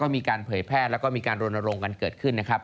มีการเผยแพร่แล้วก็มีการรณรงค์กันเกิดขึ้นนะครับ